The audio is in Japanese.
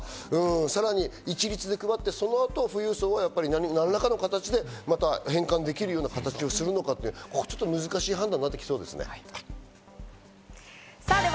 さらに一律で配ってそのあと富裕層は何らかの形で変換できるような形にするのか、難しい判断になっていきそうですね。